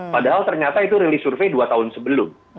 padahal ternyata itu rilis survei dua tahun sebelum